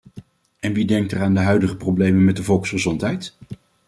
En wie denkt er aan de huidige problemen met de volksgezondheid?